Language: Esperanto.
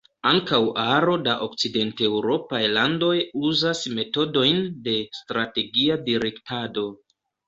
Ankaŭ aro da okcidenteŭropaj landoj uzas metodojn de strategia direktado.